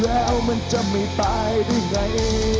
แล้วมันจะไม่ตายหรือไง